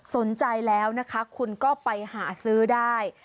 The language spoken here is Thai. สนใจแล้วนะคะคุณก็ไปหาซื้อได้